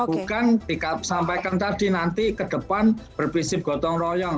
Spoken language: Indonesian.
bukan sampaikan tadi nanti ke depan berprinsip gotong royong